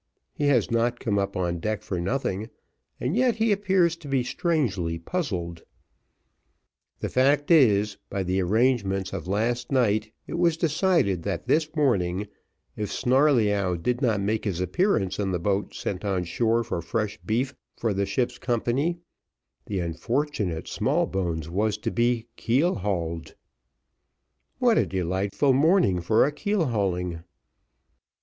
He has not come up on deck for nothing, and yet he appears to be strangely puzzled: the fact is, by the arrangements of last night, it was decided, that this morning, if Snarleyyow did not make his appearance in the boat sent on shore for fresh beef for the ship's company, the unfortunate Smallbones was to be keel hauled. What a delightful morning for a keel hauling!